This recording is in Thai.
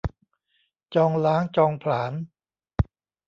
จองล้างจองผลาญ